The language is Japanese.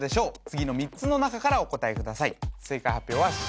次の３つの中からお答えください